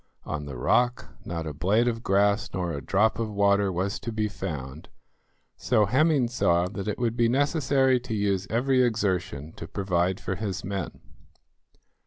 On the rock not a blade of grass nor a drop of water was to be found, so Hemming saw that it would be necessary to use every exertion to provide for his men.